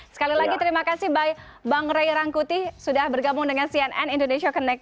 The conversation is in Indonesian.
sekali lagi terima kasih bang ray rangkuti sudah bergabung dengan cnn indonesia connecte